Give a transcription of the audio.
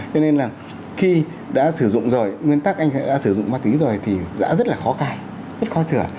cho nên là khi đã sử dụng rồi nguyên tắc anh đã sử dụng ma túy rồi thì đã rất là khó cải rất khó sửa